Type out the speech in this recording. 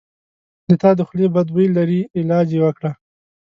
د تا د خولې بد بوي لري علاج یی وکړه